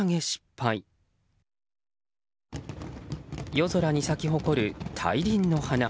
夜空に咲き誇る大輪の花。